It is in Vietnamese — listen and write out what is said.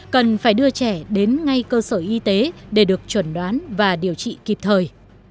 cần phải đưa trẻ đến ngay cơ sở y tế để được chuẩn đoán và điều trị kịp thời